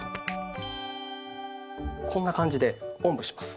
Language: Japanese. こんな感じでおんぶします。